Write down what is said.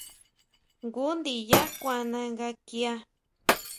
Jngu ndiyá kuana nga kia.